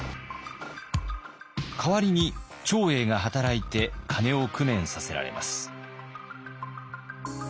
代わりに長英が働いて金を工面させられます。